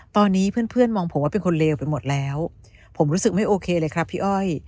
ตอนนี้เพื่อนเพื่อนมองผมว่าเป็นคนเลวไปหมดแล้วผมรู้สึกไม่โอเคเลยครับพี่อ้อย